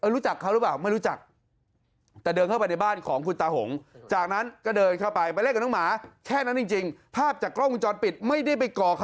รู้จักเขาหรือเปล่าไม่รู้จัก